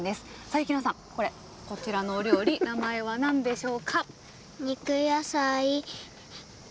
幸奈さん、こちらのお料理名前は何でしょうか。